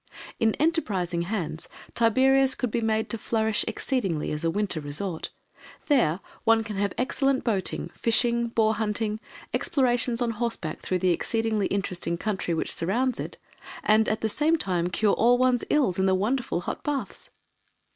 In enterprising hands, Tiberias could be made to flourish exceedingly as a winter resort. There one can have excellent boating, fishing, boar hunting, explorations on horseback through the exceedingly interesting country which surrounds it, and at the same time cure all one's ills in the wonderful hot baths.